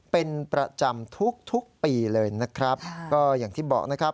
เป็นประจำทุกทุกปีเลยนะครับก็อย่างที่บอกนะครับ